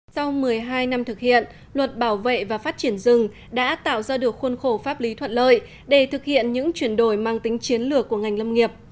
sau một mươi hai năm thực hiện luật bảo vệ và phát triển rừng đã tạo ra được khuôn khổ pháp lý thuận lợi để thực hiện những chuyển đổi mang tính chiến lược của ngành lâm nghiệp